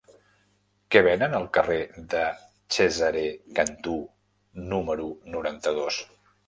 Què venen al carrer de Cesare Cantù número noranta-dos?